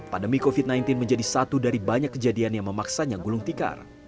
pandemi covid sembilan belas menjadi satu dari banyak kejadian yang memaksanya gulung tikar